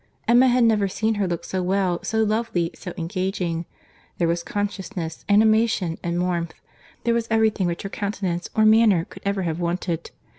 —Emma had never seen her look so well, so lovely, so engaging. There was consciousness, animation, and warmth; there was every thing which her countenance or manner could ever have wanted.